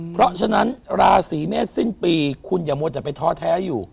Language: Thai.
เพราะฉะนั้นราศีเมษสิ้นปีคุณอย่ามัวแต่ไปท้อแท้อยู่